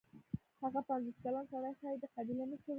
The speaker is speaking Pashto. هغه پنځوس کلن سړی ښايي د قبیلې مشر و.